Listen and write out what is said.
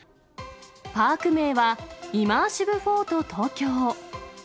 パーク名は、イマーシブ・フォート東京。